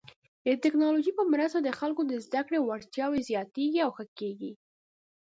د ټکنالوژۍ په مرسته د خلکو د زده کړې وړتیاوې زیاتېږي او ښه کیږي.